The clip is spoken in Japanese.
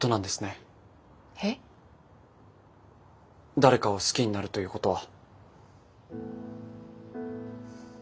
誰かを好きになるということは。